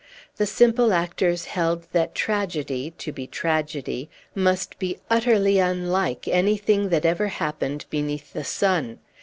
The simple actors held, that tragedy, to be tragedy, must be utterly unlike anything that ever happened beneath the sun.